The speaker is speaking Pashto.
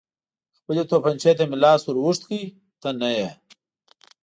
خپلې تومانچې ته مې لاس ور اوږد کړ، ته نه یې.